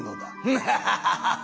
フハハハハハ！